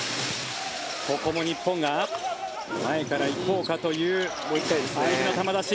ここも日本が前から行こうかという大事な球出し。